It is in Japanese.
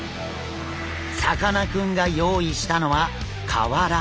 さかなクンが用意したのは瓦。